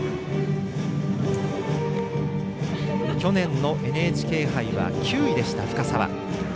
去年のＮＨＫ杯は９位でした深沢。